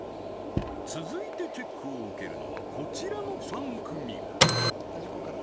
続いてチェックを受けるのはこちらの３組端っこから？